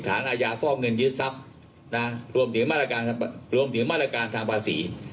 อาญาฟอกเงินยึดทรัพย์นะรวมถึงมาตรการทางภาษี